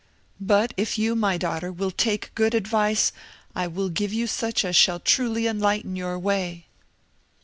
"But if you, my daughter, will take good advice, I will give you such as shall truly enlighten your way."